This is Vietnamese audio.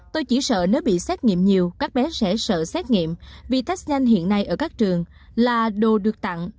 tôi chỉ sợ nếu bị xét nghiệm nhiều các bé sẽ sợ xét nghiệm vì test nhanh hiện nay ở các trường là đồ được tặng